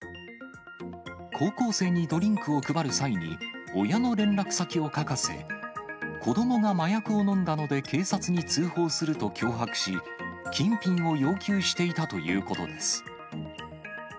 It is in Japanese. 高校生にドリンクを配る際に、親の連絡先を書かせ、子どもが麻薬を飲んだので警察に通報すると脅迫し、金品を要求していたということです。